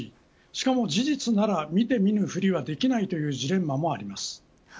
しかも事実なら見てみぬふりはできないというジレンマもあります。